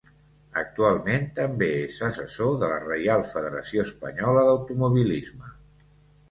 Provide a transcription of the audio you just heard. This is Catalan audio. Actualment també és assessor de la Reial Federació Espanyola d'Automobilisme.